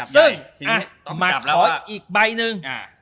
ซึ่งหมัดขออีกใบหนึ่ง